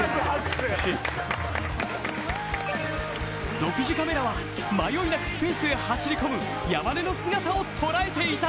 独自カメラは、迷いなくスペースへ走り込む山根の姿を捉えていた。